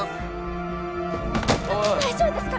大丈夫ですか！？